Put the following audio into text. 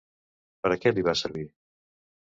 Per a què li va servir?